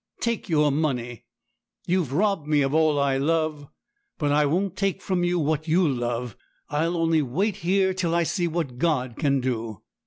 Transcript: Take your money. You've robbed me of all I love, but I won't take from you what you love. I'll only wait here till I see what God can do.'